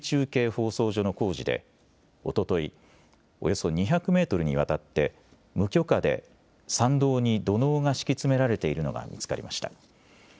放送所の工事でおととい、およそ２００メートルにわたって無許可で参道に土のうが敷き詰められているのが見つかりました。